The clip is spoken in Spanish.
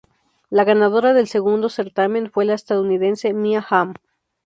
La ganadora del segundo certamen fue la estadounidense Mia Hamm.